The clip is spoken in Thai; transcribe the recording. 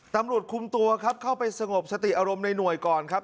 ตำรวจคุมตัวครับเข้าไปสงบสติอารมณ์ในหน่วยก่อนครับ